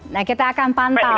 nah kita akan pantas